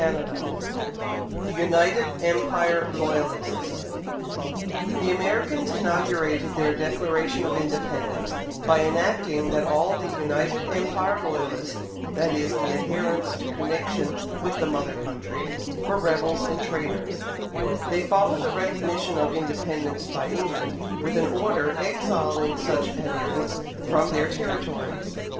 Cowper THE UNITED EMPIRE LOYALISTS The Americans inaugurated their Declaration of Independence by enacting that all the United Empire Loyalists that is the adherents to connection with the mother country were rebels and traitors; they followed the recognition of Independence by England with an order exiling such adherents from their territories.